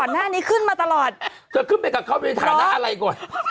จะขึ้นเมื่อกับเขาในฐานะอะไรก่อน